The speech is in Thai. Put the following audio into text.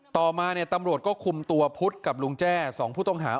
ต่อมาตำรวจคุมตัวพุทธกับลุงแจ้สองผู้ต้องหา